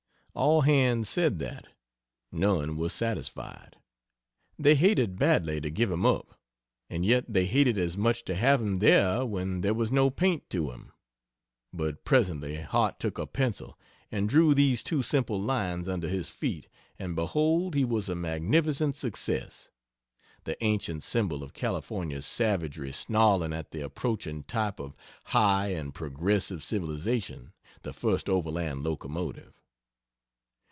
All hands said that none were satisfied. They hated badly to give him up, and yet they hated as much to have him there when there was no paint to him. But presently Harte took a pencil and drew these two simple lines under his feet and behold he was a magnificent success! the ancient symbol of California savagery snarling at the approaching type of high and progressive Civilization, the first Overland locomotive!